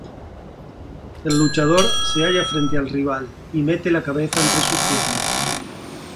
El luchador se halla frente al rival y mete la cabeza entre sus piernas.